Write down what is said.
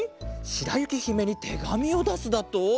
しらゆきひめにてがみをだすだと？